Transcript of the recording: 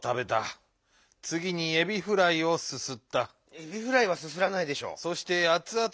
エビフライはすすらないでしょ。